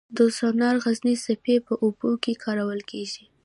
د سونار غږي څپې په اوبو کې کارول کېږي.